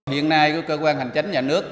hiện nay cơ quan hành tránh nhà nước